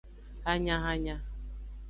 Hanyahanya.